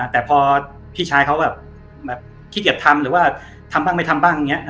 แต่พอพี่ชายเขาแบบคิดอยากทำหรือว่าทำบ้างไม่ทำบ้างเนี่ย